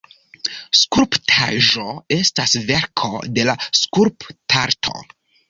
Skulptaĵo estas verko de skulptarto.